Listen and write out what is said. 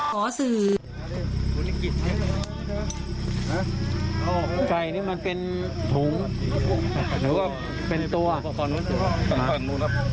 หรือก็จะเป็นตัวเหมือนกันครับ